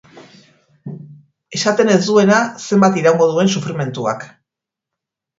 Esaten ez duena zenbat iraungo duen sufrimentuak.